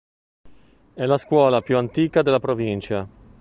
È la scuola più antica della provincia.